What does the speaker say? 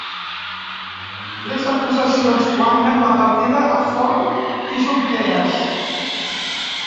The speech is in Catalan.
Les acusacions guanyen la partida a Forn i Junqueras